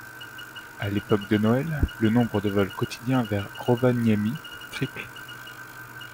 À l'époque de Noël, le nombre de vols quotidiens vers Rovaniemi triple.